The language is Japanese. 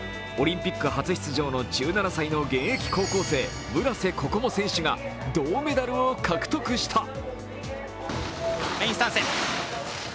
オリンピック初出場の１７歳の現役高校生、村瀬心椛選手が銅メダルを獲得した。